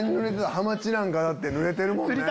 ハマチなんかぬれてるもんね。